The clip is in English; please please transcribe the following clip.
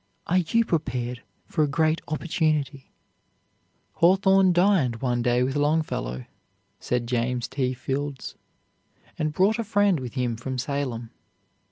Are you prepared for a great opportunity? "Hawthorne dined one day with Longfellow," said James T. Fields, "and brought a friend, with him from Salem.